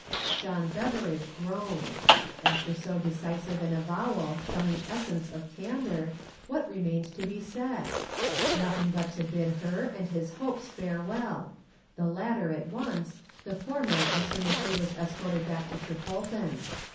John Beveridge groaned. After so decisive an avowal from the essence of candor, what remained to be said? Nothing but to bid her and his hopes farewell the latter at once, the former as soon as she was escorted back to Trepolpen.